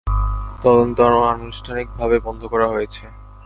তদন্ত আনুষ্ঠানিকভাবে বন্ধ করা হয়েছে।